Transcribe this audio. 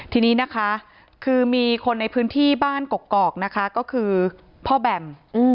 ทีนี้นะคะคือมีคนในพื้นที่บ้านกกอกนะคะก็คือพ่อแบม